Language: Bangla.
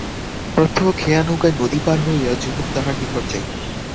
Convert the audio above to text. প্রত্যহ খেয়া-নৌকায় নদী পার হইয়া যুবক তাহার নিকট যাইত।